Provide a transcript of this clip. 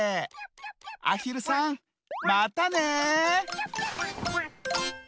あひるさんまたね！